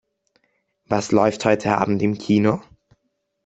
Was läuft heute Abend im Kino?